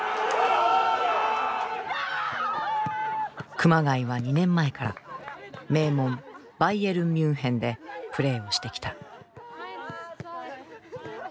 熊谷は２年前から名門バイエルンミュンヘンでプレーをしてきた。